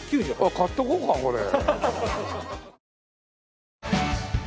買っとこうかこれ。